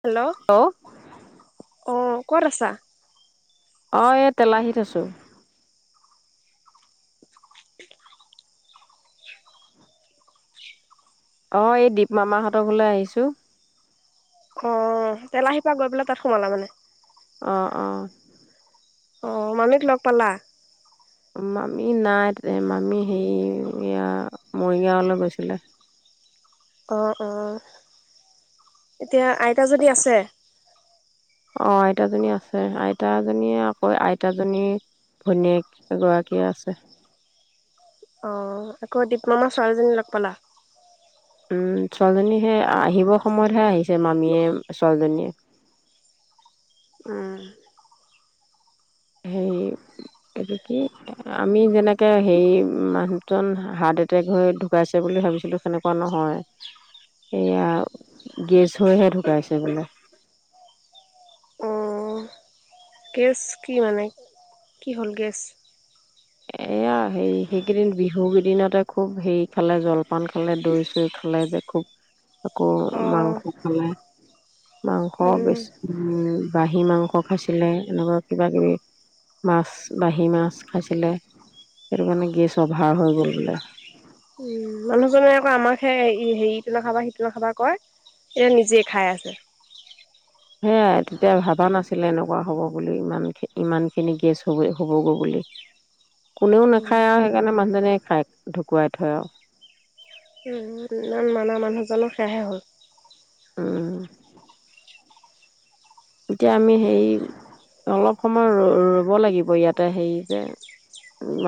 Hello অ ক'ত আছা অ এ তেলাহীত আছোঁ [unintelligible] অ এই দীপ মামাহঁতকলৈ আহিছোঁ অ তেলাহিপা গৈ পেলাই তাত সোমালা মানে আহ আহ অ মানিক লগ পালা অ মামি নাই মামি সেই এয়া মৰিগাঁৱলৈ গৈছিলে অ অ এতিয়া আইতাজনী আছে অ আইতাজনী আছে আইতাজীয়ে আকৌ আইতাজনী ভনীয়েক এ গৰাকী আছে অ আকৌ দীপ মামা ছোৱালীজনী লগ পালা উম ছোৱালীজনী সেই আহিব সময়তহে আহিছে মামীয়ে ছোৱালীজনীয়ে উম হেৰি এইটো কি আমি যেনেকে হে মানুহজন হাৰ্ট এটেক হৈ ঢুকাইছে বুলি ভাবিছিলো সেনেকুৱা নহয় সেয়া গেছ হৈহে ঢুকাইছে বোলে অ গেছ কি মানে কি হ'ল গেছ এয়া সেই সেইকেইদিন বিহু কেইদিনতে খুব হেৰি খালে জলপান খালে দৈ চৈ খালে যে খুব আকৌ অ মাংখ খালে মাংস উম বেছ, উম, বাঁহী মাংস খাইছিলে এনেকুৱা কিবা কিবি, মাছ বাঁহী মাছ খাইছিলে। সেইটো কাৰণে গেছ অভাৰ হৈ গ'ল বোলে। উম মানুহজনে আকৌ আমাক সেই হেৰি ইটো নাখাবা সিটো নাখাবা কয়, এতিয়া নিজে খাই আছে। সেয়াই তেতিয়া ভাবা নাছিলে এনেকুৱা হ'ব বুলি ইমান ইমানখিনি গেছ হ'ব-হ'বগৈ বুলি। কোনেও উম নাখায় আৰু সেইকাৰণে মানুহজনে খায়। ঢুকুৱাই থয় আউ। ইমান মানা মানুহজনৰ সেয়েহে হ'ল। উম, এতিয়া আমি সেই, অলপ সময় ৰ-ৰ'ব লাগিব ইয়াতে হেৰি যে,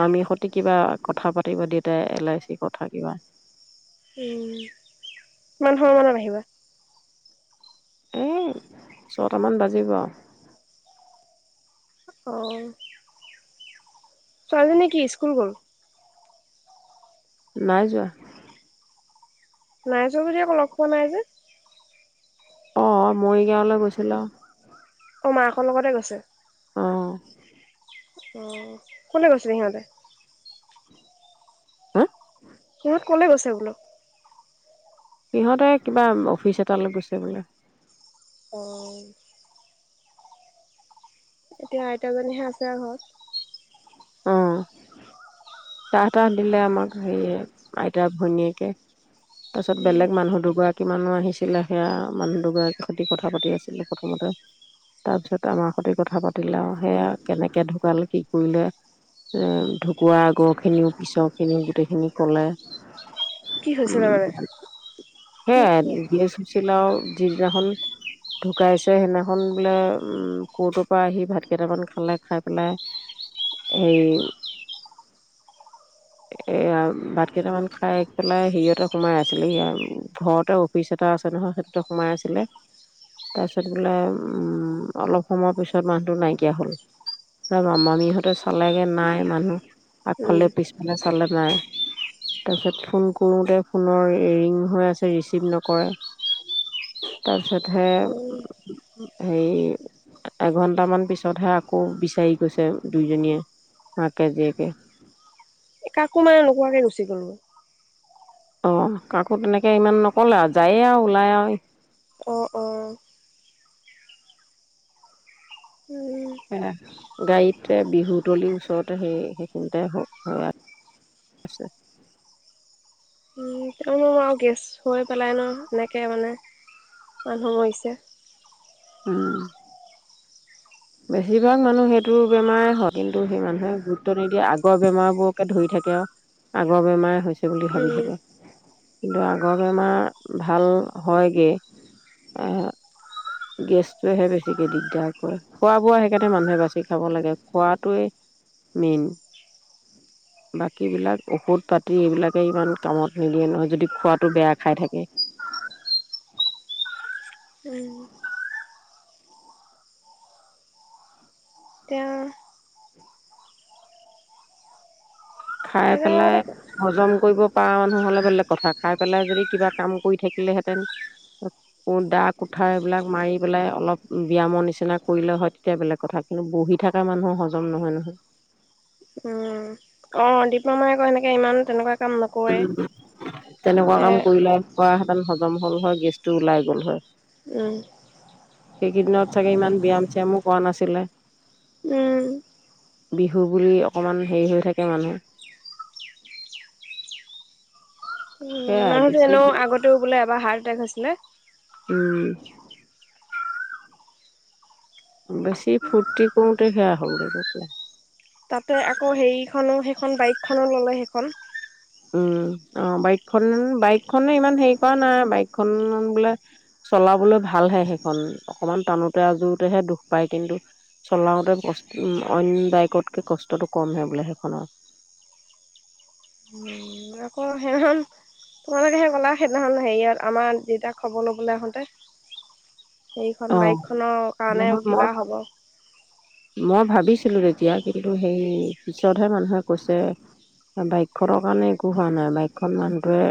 আমি সিহঁতে কিবা কথা পাতি পাতি দুটাই এল আই চিৰ কথা কিবা। উম, কিমান সময় মানত আহিবা? এ, ছটামান বাজিব আউ। অ ছোৱালীজনী কি স্কুল গ'ল? নাই যোৱা। নাই যোৱা যদি আকৌ লগ পোৱা নাই যে? অ', মৰিগাঁৱলৈ গৈছিলে। অ', মাকৰ লগতে গৈছে। অ', অ', কোনে গৈছিল সিহঁতে? হা? সিহত কলে গৈছে বোলো। সিহঁতে কিবা অফিচ এটালৈ গৈছে বোলে। অহ, এতিয়া আইতাজনীহে আছে আও ঘৰত, অ চাহ তাহ দিলে আমাক হেৰিয় আইতা ভৈনীয়েকে। তাৰপাছত উম বেলেগ মানুহ দুগৰাকী মানুহ আহিছিল। আছিলে সেয়া মানুহ দুগৰাকীৰ সৈতে কথা পাতি আছিলে প্ৰথমতে তাৰ পিছত আমাৰ সৈতে কথা পাতিলে আৰু সেয়া কেনেকে ঢুকাল কি কৰিলে। এ ঢোকুৱা আগৰ খিনিও পিছৰ খিনিও গোটেইখিনি কলে। কি হৈছিলে মানে উম হে কি কি গেছ হৈছিলাও যি দিনাখন, ঢোকাইছে সেইদিনাখন বোলে ক'ৰ্টৰ পৰা আহি ভাত কেইটামান খালে খাই পেলাই, সেই, এ ভাত কেইটামান খাই পেলাই সিহঁতে সোমাই আছিলে ঘৰতে অফিচ এটা আছে নহয় সেইটোতে সোমাই আছিলে তাৰপিছত বোলে উম অলপ সময় পিছত মানুহটো নাইকিয়া হল মামিহঁতে চালেগে নাই মানুহ উম আগফালে পিছ চালে নাই তাৰপিছত ফোন কৰোতে ফোনৰ ৰিং হৈ আছে ৰিচিভ নকৰে তাৰপিছতহে অ হেৰি এঘন্টামান পিছতহে আকৌ বিচাৰি গৈছে দুইজনীয়ে মাকে জীয়েকে। কাকো মানে নোকোৱাকে গুচি গ'ল গৈ। আহ কাকো তেনেকে ইমান নকলে আৰু যায়ে আৰু ওলাই আৰু অ অ উম গাড়ীতে বিহু তলিৰ ওচৰতে সেই সেইখিনিতেছে। উম তেওঁ আৰু গেছ হৈ পেলাই ন এনেকে মানে মানুহ মৰিছে। উম। বেছিভাগ মানুহ সেইটো বেমাৰে হয় কিন্তু সেই মানুহে গুৰুত্ব নিদিয়ে আগৰ বেমাৰবোৰকে ধৰি থাকে আৰু আগৰ বেমাৰে হৈছে বুলি ভাবি উম থাকে কিন্তু আগৰ বেমাৰ ভাল হয়গে এ, গেছটোৱেহে বেছিকে দিগদাৰ কৰে। খোৱা বোৱা সেইকাৰণে মানুহে বাচি খাব লাগে খোৱাটোৱে মেইন বাকী বিলাক ঔষধ পাতি এইবিলাকে ইমান কামত নিদিয়ে নহয় যদি খোৱাটো বেয়া খাই থাকে। উম তেও খাই তাকে পেলাই লগতে হজম কৰিব প মানুহ হলে বেলেগ কথা খাই পেলাই যদি কিবা কাম কৰি থাকিলেহেতেন কোনো দা কোঠাৰ এইবিলাক মাৰি পেলাই অলপ ব্যয়ামৰ নিচিনা কৰিলে হয় তেতিয়া বেলেগ কথা কিন্তু বহি থকা মানুহৰ হজম নহয় নহয়। উম অ' দীপ মামা আকৌ সেনেকে ইমান তেনেকুৱা কাম নকৰে তেনেকুৱা এ কাম কৰিলে কৰা হজম হ'ল হয় গেছটো ওলাই গ'ল হয়। উম। সেইকেইদিনত চাগে ইমান ব্যায়াম চিয়ামো কৰা নাছিলে, উম বিহু বুলি অকমান হেৰি হৈ থাকে মানুহ। সেয়াই মানুহটো বেছি এনেও আগতেও বোলে এবাৰ হাৰ্ড [unintelligible] হৈছিলে উম। বেছি ফুৰ্তি কৰোতে সেয়া হ'ল দে দে তাতে আকৌ হেৰিখনো সেইখন বাইকখনো ল'লে সেইখন। উম অ' বাইকখন বাইকখনে ইমান হেৰি কৰা নাই বাইকখন বোলে চলাবলৈ ভালহে সেইখন অকমান টানোতে আজোৰোতেহে দুখ পায় কিন্তু চলাওতে উ অ' বাইকতকে কষ্টটো কমহে বোলে সেইখনৰ। তোমালোকেহে ক'লা সেইদিনাখনখন হেৰিয় আমাৰ দেতাক খবৰ ল'বলৈ আহোঁতে সেইখন অ' বাইক খনৰ কাৰণে নহয় মই কিবা হব মই ভাবিছিলো তেতিয়া কিন্তু সেই পিছতহে মানুহে কৈছে বাইকখনৰ কাৰণে একো হোৱা নাই বাইকখন মানুহটোৱে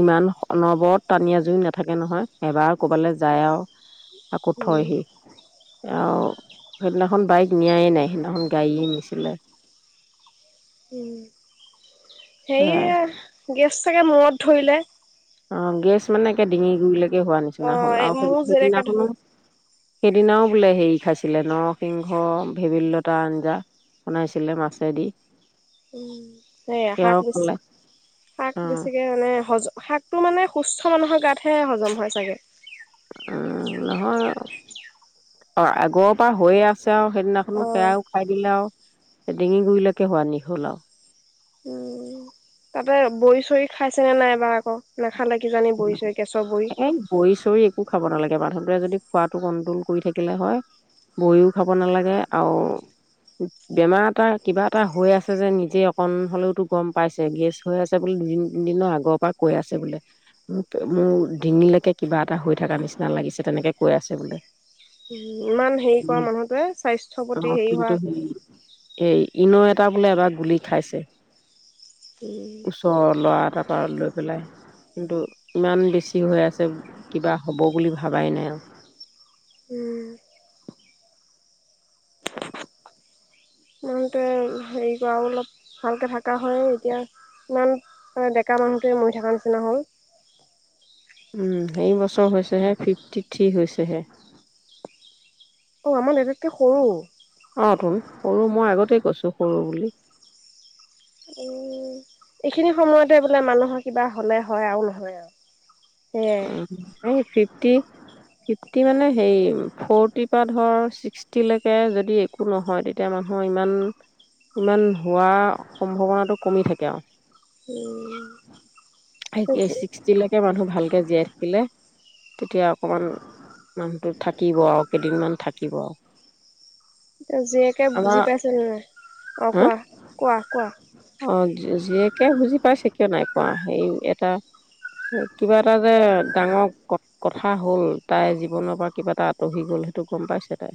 ইমান অনবৰত টানি আজুৰি নাথাকে নহয় এবাৰ ক'বালৈ যায় আৰু। আকৌ উম। থয়হি আৰু সেইদিনাখন বাইক নিয়াই নাই সিদিনাখন গাড়ীয়ে নিছিলে। সেয়াই সেইয়া গেছ চাগে মূৰত ধৰিলে। অ', গেছ মানে একে ডিঙি গুৰিলৈকে হোৱা নিচিনা। অ' এই আও মোৰ যেনেকে সিদিনাখনো ধৰি হ'ল। সেইদিনাও বোলে হেৰি খাইছিলে নৰসিংহ ভেবেলী লতা আঞ্জা বনাইছিলে মাছেদি উম, সেয়া শাক সেয়াও বেছি, খালে শাক অ' বেছিকে মানে হজ শাকটো মানে সুস্থ মানুহৰ গাত সেয় হজম হয় চাগে। উম নহয় অ', আগৰ পৰা হৈয়ে আছ আৰু সেইদিনাখনো অ' সেয়াও খাই দিলে আৰু। ডিঙি গুৰিলৈকে হোৱা নি হ'ল আৰু। উম, তাতে বৰি চৰি খাইছে নে নাই এইবাৰ আকৌ ন'। এ বৰি চৰি একো খাব নালাগে মানুহ যদি খোৱাটো কন্ট্ৰল কৰি থাকিলে হয় বৰিও খাব নালাগে আৰু বেমাৰ এটা কিবা এটা হৈ আছে যে নিজে অকন হলেওতো গম পাইছে গেছ হৈ আছে বুলি দুদিন তিনদিনৰ আগৰ পৰা কৈ আছে বোলে। মোক মোৰ ডিঙিলৈকে কিবা এটা হৈ থকা নিচিনা লাগিছে তেনেকে কৈ আছে বোলে। ইমান হেৰি কৰা মানুহটোৱে স্বাস্থ্যৰ অ প্ৰতি হেৰি কিন্তু হোৱা সেই এই ইন' এটা বোলে এবাৰ গুলি খাইছে। উম ওচৰৰ ল'ৰা এটাৰ পৰা লৈ পেলাই কিন্তু ইমান বেছি হৈ আছে কিবা হ'ব বুলি ভাবাই নাই আৰু। উম মানুহটোৱে হেৰি কৰা অলপ ভালকে থকা হয় এতিয়া ইমান ডেকা মানুহটোৱে মৰি থকা নিচিনা হ'ল। উম এই বছৰ হৈছেহে ফিফটি। থিক হৈছে হে। অ আমাৰ দেতাতকে সৰু। অ তুন সৰু মই আগতেই কৈছো। সৰু বুলি। এইখিনি সময়তে বোলে মানুহৰ কিবা হ'লে হয় আৰু নহয় আৰু। সেয়াই ফিফটি ফিফটি মানে সেই ফৰটি পা ধৰ ছিক্সটিলৈকে যদি একো নহয় তেতিয়া মানুহৰ ইমান ইমান হোৱা সম্ভাৱনাটো কমি থাকে আৰু উ এই ছিক্সটিলৈকে মানুহ ভালকে জীয়াই থাকিলে তেতিয়া অকমান মানুহটো থাকিব আৰু কেইদিনমান থাকিব আৰু জীয়েকে বুজি আমাৰ পাইছে নে নাই অ হা কোৱা কোৱা কোৱা। অ জীয়েকে বুজি পাইছে কিয় নাই। পোৱা সেই এটা কিবা এটা যে ডাঙৰ কথা হল তাই জীৱনৰ পৰা কিবা এটা আঁতৰি গল সেইটো গম পাইছে তাই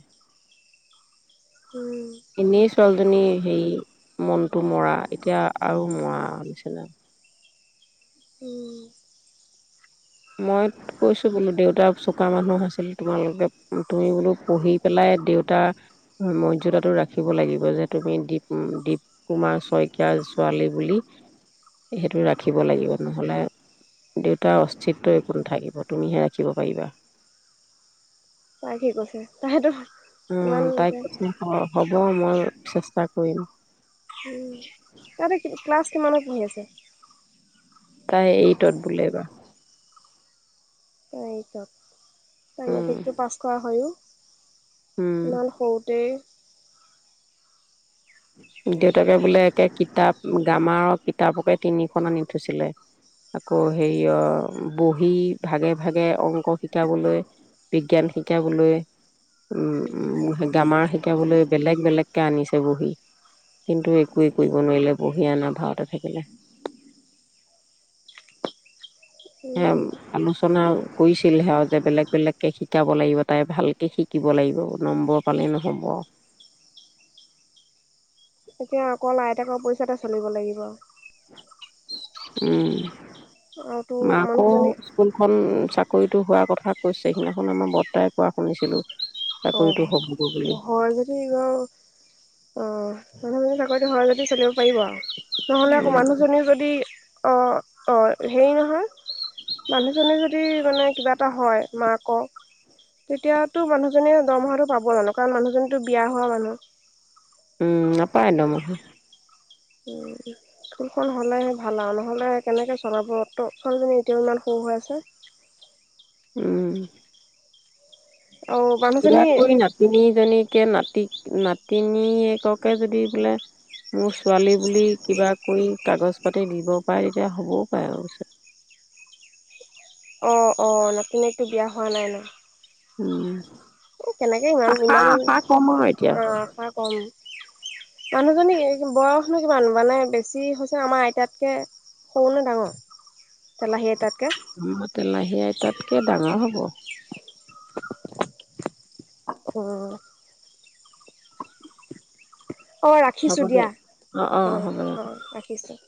উম এনেই ছোৱালীজনী হেইৰি মনটো মৰা আৰু মোৱা হুনিছলে উম। মই কৈছো বোলো দেউতা চোকা মানুহ আছিল তোমালোকে তুমি বোলো পঢ়ি পেলাই দেউতাৰ মই। জোতাটো ৰাখিব লাগিব যে তুমি দীপ দীপ কুমাৰ শইকীয়া ছোৱালী বুলি সেইটো ৰাখিব লাগিব নহলে দেউতাৰ চিত্ৰ একো নাথাকিব তুমিহে ৰাখিব পাৰিবা। তাই কি কৈছে তাই তো উম তাই কছে হ'ব মই চেষ্টা কৰিম। উম তাই এতিয়া ক্লাছ কিমানত পঢ়ি আছে। তাই এইটত বোলে এইবাৰ এইটত উম মেট্ৰিকটো পাছ কৰা হয়ো। উম ইমান সৰুতে দেউতাকে বোলে একে কিতাপ গান আমাৰ কিতাপকে তিনিখন আনি থৈছিলে আকৌ হেৰি য় বহি ভাগে ভাগে অংক শিকাবলৈ বিজ্ঞান শিকাবলৈ। উম গামাৰ শিকাবলৈ বেলেগ বেলেগ কে আনিছে বহি। কিন্তু একোৱে কৰিব নোৱাৰিলে বঢ়িয়া নধৰা হৈ থাকিলে। সে উম। আলোচনা কৰিছিলহে আৰু যে বেলেগ বেলেগকে শিকাব লাগিব তাই ভালকে শিকিব লাগিব নম্বৰ পালেই নহ'ব। এতিয়া অকল আইতকৰ পইচাতে চলিব লাগিব। উম। আৰু তো মাক মানুহজনী স্কুলখন চাকৰি কৰি তো হোৱাৰ কথা কৈছে সেইদিনাখন আমাৰ বৰ্তাই কোৱা শুনিছিলোঁ। অ', অ', হয় যদি বাৰু চাকৰি টো যদি চলিব পাৰিব। নহ'লে আকৌ উম মানুহজনী যদি অ', অ', হেৰি নহয় মানুহজনী যদি মানে কিবা এটা হয় মাকৰ তেতিয়াতো মানুহ নে দৰমহাটো পাব জানো কাৰণ মানুহজনীতো বিয়া হোৱা মানুহ। উম, নাপায় দৰমহা। অহ, স্কুলখন হ'লেহে ভাল আৰু নহ'লে কেনেকৈ চলাব অটো ছোৱালীজনী এতিয়াও ইমান সৰু হৈ আছে। উম। অ', মানুহজনী তাকৈ নাতিনীজনীকে নাতি নাতিনীয়েককে যদি বোলে মোৰ ছোৱালী বুলি কিবা কৰি কাগজ পাতি দিব পাৰে তেতিয়া হ'বও পাৰে আৰু পিছত। অ', অ', নাতিনিয়েকটো বিয়া হোৱা নাই ন'। উম, এ কেনেকে ইমান আশা, ইমান আশা কম আৰু এতিয়া। অ', আশা কম মানুহজনী বয়স নো কিমান মানে বেছি হৈছে আমাৰ আইতাতকৈ সৰু নে ডাঙৰ তেলাহী আইতাত তেলাহী আইতাতকে ডাঙৰ হ'ব। অ'। অ' হ'ব ৰাখিছো দে দিয়া অ' অ' ৰাখিছো।